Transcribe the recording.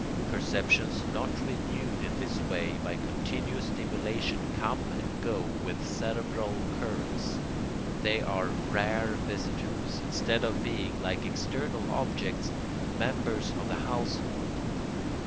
Perceptions not renewed in this way by continuous stimulation come and go with cerebral currents; they are rare visitors, instead of being, like external objects, members of the household.